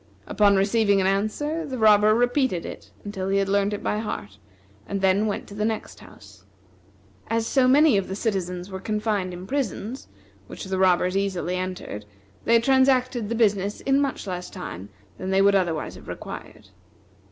Upon receiving an answer, the robber repeated it until he had learned it by heart, and then went to the next house. As so many of the citizens were confined in prisons, which the robbers easily entered, they transacted the business in much less time than they would otherwise have required.